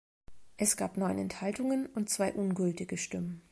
Es gab neun Enthaltungen und zwei ungültige Stimmen.